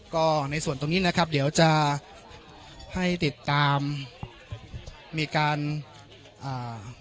ก็ในส่วนตรงนี้นะครับเดี๋ยวจะให้ติดตามมีการอ่า